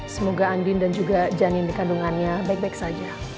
semoga andi dan juga janin dikandungannya baik baik saja